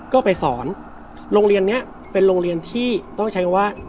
ก็ไปสอนโรงเรียนนี้เป็นโรงเรียนที่ต้องใช้คำว่า